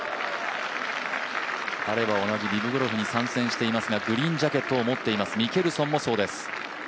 彼は同じリブゴルフに参戦していますがグリーンジャケットを持っています、ミケルソンもそうです。